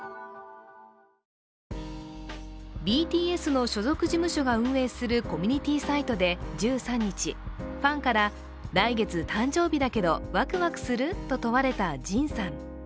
ＢＴＳの所属事務所が運営するコミュニティサイトで１３日、ファンから、来月誕生日だけどワクワクする？と問われたＪＩＮさん。